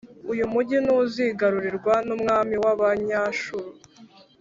uyu mugi ntuzigarurirwa n’umwami w’Abanyashuru.